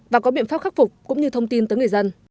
và có biện pháp khắc phục cũng như thông tin tới người dân